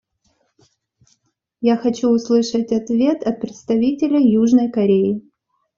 Я хочу услышать ответ от представителя Южной Кореи.